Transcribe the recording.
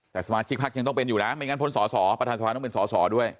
แต่สมาชิกพักยังต้องเป็นอยู่นะไม่งั้นพ้นสอสอประธานสภาต้องเป็นสอสอด้วย